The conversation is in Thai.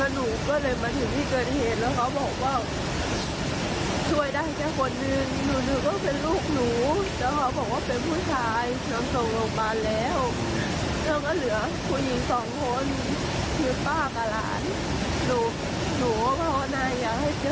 แล้วเขาบอกว่าเป็นผู้ชาย